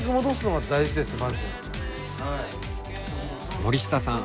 森下さん